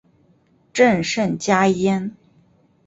朕甚嘉焉。